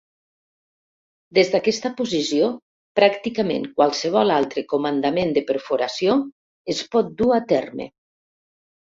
Des d'aquesta posició, pràcticament qualsevol altre comandament de perforació es pot dur a terme.